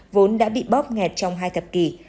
vốn đã bị bóp nghẹt trong hai thập kỷ